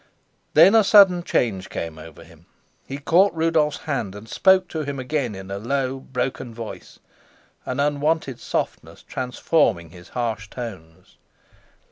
Then a sudden change came over him. He caught Rudolf's hand and spoke to him again in a low, broken voice, an unwonted softness transforming his harsh tones.